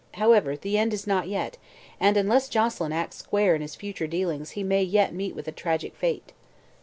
However, the end is not yet, and unless Joselyn acts square in his future dealings he may yet meet with a tragic fate."